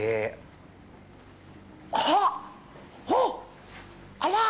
あっ！